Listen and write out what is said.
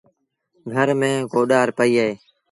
گھر ميݩ ڪوڏآر پئيٚ اهي۔